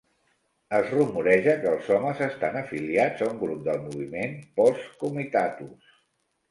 Es rumoreja que els homes estan afiliats a un grup del moviment Posse Comitatus.